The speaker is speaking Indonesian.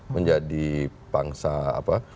menjadi pangsa apa